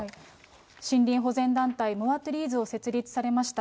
森林保全団体モア・トゥリーズを設立されました。